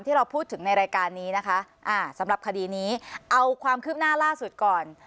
ที่เราพูดถึงในรายการนี้นะคะอ่าสำหรับคดีนี้เอาความคืบหน้าล่าสุดก่อน